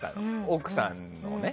奥さんのね。